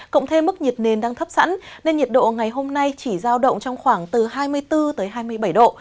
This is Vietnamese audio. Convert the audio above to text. cộng thêm mức nhiệt nền đang thấp sẵn nên nhiệt độ ngày hôm nay chỉ giao động trong khoảng từ hai mươi bốn hai mươi bảy độ